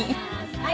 はい。